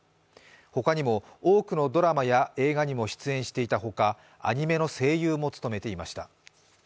他にも多くのドラマや映画にも出演していたほか、アニメの声優も務めていました。